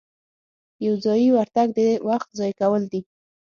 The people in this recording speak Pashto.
یو ځایي ورتګ د وخت ضایع کول دي.